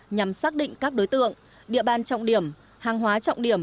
nhằm xác định các đối tượng địa bàn trọng điểm hàng hóa trọng điểm